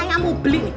pak saya mau beli nih